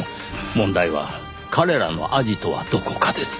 問題は「彼らのアジトはどこか？」です。